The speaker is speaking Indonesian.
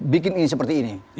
bikin ini seperti ini